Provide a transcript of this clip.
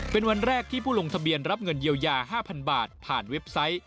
เป็นวันแรกที่ผู้ลงทะเบียนรับเงินเยียวยา๕๐๐บาทผ่านเว็บไซต์